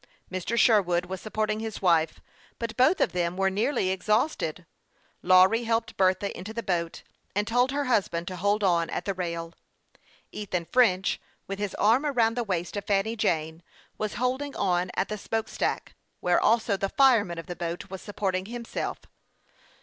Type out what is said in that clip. Mr. Sherwood was supporting his wife ; but both of them were nearly exhausted. Lawry helped Bertha into the boat, and told her husband to hold on at the rail. Ethan French, with his arm around the waist of Fanny Jane, was holding on at the smoke stack, THE YOTTNG PILOT OF LAKE CHAMPLAIX. 67 where also the fireman of the boat was supporting himself.